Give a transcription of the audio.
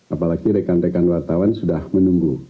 apalagi rekan rekan wartawan sudah menunggu